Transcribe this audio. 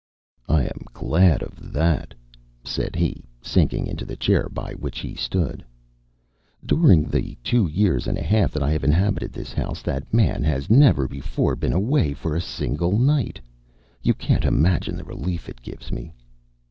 "I am glad of that," said he, sinking into the chair by which he stood. "During the two years and a half that I have inhabited this house, that man has never before been away for a single night. You can't imagine the relief it gives me."